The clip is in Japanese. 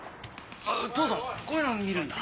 父さんこういうの見るんだ？